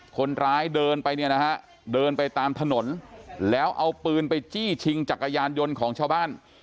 คนร้ายเดินไปเนี่ยนะฮะเดินไปตามถนนแล้วเอาปืนไปจี้ชิงจักรยานยนต์ของชาวบ้าน